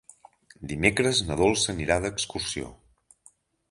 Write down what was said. Dimecres na Dolça anirà d'excursió.